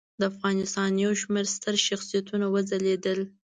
د افغانستان یو شمېر ستر شخصیتونه وځلیدل.